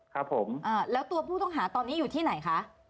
ครับผมอ่าแล้วตัวผู้ต้องหาตอนนี้อยู่ที่ไหนคะ